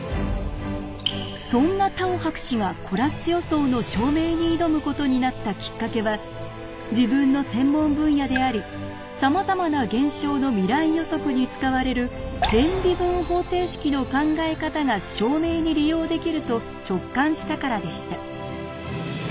そんなタオ博士がコラッツ予想の証明に挑むことになったきっかけは自分の専門分野でありさまざまな現象の未来予測に使われる偏微分方程式の考え方が証明に利用できると直感したからでした。